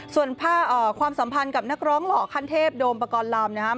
ส่วนความสัมพันธ์กับนักร้องหล่อคันเทพโดมประกอลลำ